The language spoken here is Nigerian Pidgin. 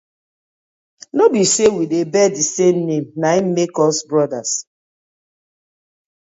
No bi say we dey bear di same na im make us brothers.